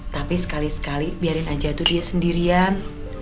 tapi sekali sekali biarin aja itu dia sendirian